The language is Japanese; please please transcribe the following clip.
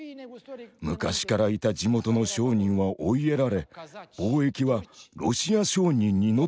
昔からいた地元の商人は追いやられ貿易はロシア商人に乗っ取られたのです。